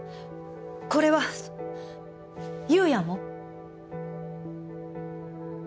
これは夕也も？